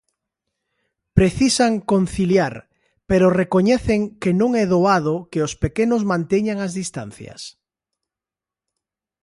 Precisan conciliar, pero recoñecen que non e doado que os pequenos manteñan as distancias.